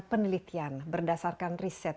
penelitian berdasarkan riset